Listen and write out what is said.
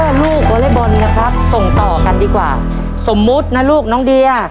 ลูกวอเล็กบอลนะครับส่งต่อกันดีกว่าสมมุตินะลูกน้องเดีย